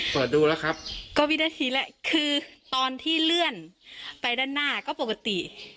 เปิดดูแล้วครับก็วินาทีแรกคือตอนที่เลื่อนไปด้านหน้าก็ปกติ